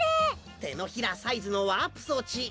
てのひらサイズのワープそうち